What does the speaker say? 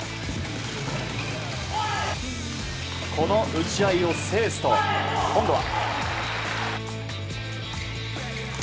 この打ち合いを制すと今度は。